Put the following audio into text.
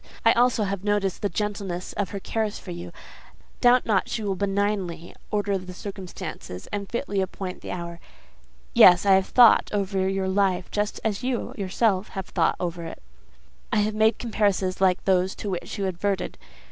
I also have noticed the gentleness of her cares for you: doubt not she will benignantly order the circumstances, and fitly appoint the hour. Yes: I have thought over your life just as you have yourself thought it over; I have made comparisons like those to which you adverted.